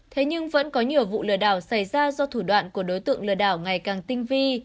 thế nhưng vẫn có nhiều vụ lừa đảo xảy ra do thủ đoạn của đối tượng lừa đảo ngày càng tinh vi